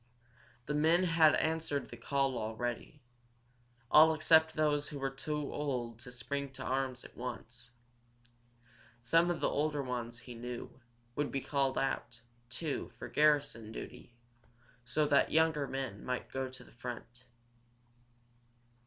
The men had answered the call already, all except those who were too old to spring to arms at once. Some of the older ones, he knew, would be called out, too, for garrison duty, so that younger men might go to the front.